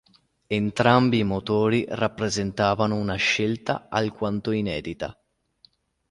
Entrambi i motori rappresentavano una scelta alquanto inedita.